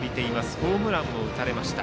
ホームランも打たれました。